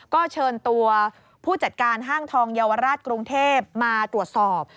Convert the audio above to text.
ก็เชิญตัวผู้จัดการห้างทองเยาวราชกรุงเทพมาตรวจสอบ